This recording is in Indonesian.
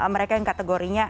mereka yang kategorinya